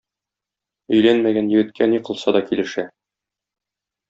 Өйләнмәгән егеткә ни кылса да килешә.